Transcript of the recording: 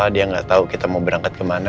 dia gak tau kita mau berangkat kemana